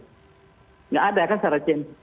tidak ada kan para chen